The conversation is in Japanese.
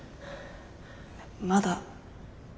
まだ。